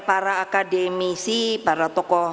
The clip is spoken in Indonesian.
para akademisi para tokoh